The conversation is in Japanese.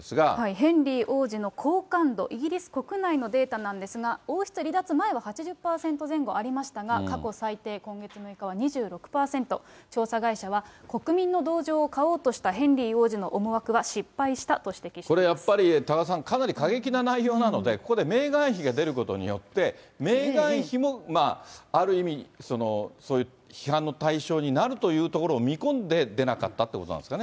ヘンリー王子の好感度、イギリス国内のデータなんですが、王室離脱前は８０％前後ありましたが、過去最低、今月６日は２６％、調査会社は、国民の同情を買おうとしたヘンリー王子の思惑は失敗したと指摘しこれ、やっぱり多賀さん、かなり過激な内容なので、ここでメーガン妃が出ることによって、メーガン妃もある意味、批判の対象になるというところを見込んで、出なかったということなんですかね。